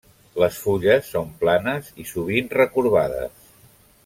Les fulles són planes i sovint recorbades.